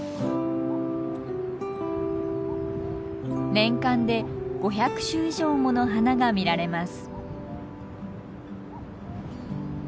年間で５００種以上もの花が見られます。